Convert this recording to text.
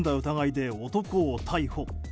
疑いで男を逮捕。